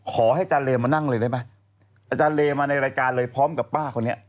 อาจารย์เลมานั่งเลยได้ไหมอาจารย์เลมาในรายการเลยพร้อมกับป้าคนนี้